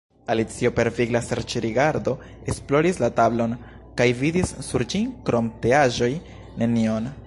Alicio per vigla serĉrigardo esploris la tablon, kaj vidis sur ĝi krom teaĵoj nenion.